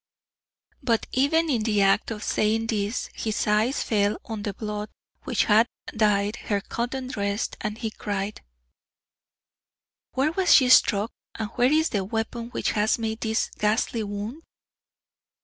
But even in the act of saying this his eyes fell on the blood which had dyed her cotton dress and he cried: "Where was she struck and where is the weapon which has made this ghastly wound?"